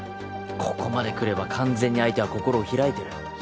ここまでくれば完全に相手は心を開いてる。